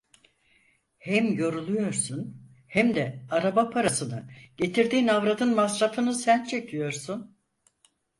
Hem yoruluyorsun hem de araba parasını, getirdiğin avradın masrafını sen çekiyorsun.